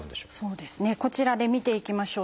そうですねこちらで見ていきましょう。